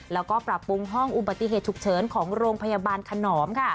แล้วก็ปรับปรุงห้องอุบัติเหตุฉุกเฉินของโรงพยาบาลขนอม